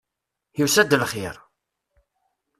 Yusa-d lxir!